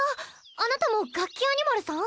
あなたもガッキアニマルさん？